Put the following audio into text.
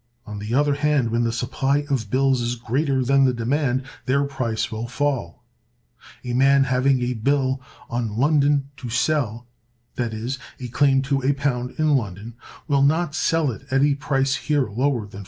On the other hand, when the supply of bills is greater than the demand, their price will fall. A man having a bill on London to sell—i.e., a claim to a pound in London—will not sell it at a price here lower than $4.